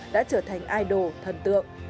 đã trở thành idol thần tượng